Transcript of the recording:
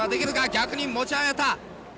逆に持ち上げた。